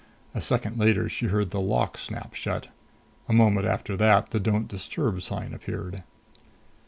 A second later, she heard the lock snap shut. A moment after that, the don't disturb sign appeared.